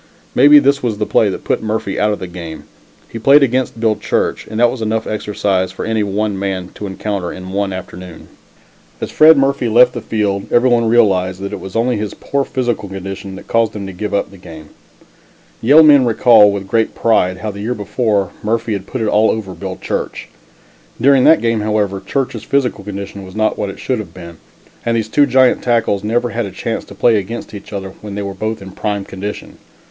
Maybe this was the play that put Murphy out of the game. He played against Bill Church, and that was enough exercise for any one man to encounter in one afternoon. As Fred Murphy left the field everyone realized that it was only his poor physical condition that caused him to give up the game. Yale men recall, with great pride, how the year before Murphy had put it all over Bill Church. During that game, however, Church's physical condition was not what it should have been, and these two giant tackles never had a chance to play against each other when they were both in prime condition.